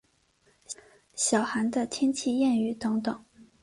小寒的天气谚语等等。